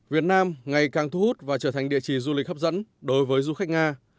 việt nam ngày càng thu hút và trở thành địa chỉ du lịch hấp dẫn đối với du khách nga